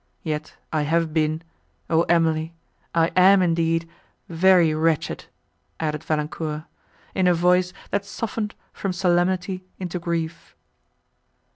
Yet I have been, O Emily! I am indeed very wretched!" added Valancourt, in a voice, that softened from solemnity into grief.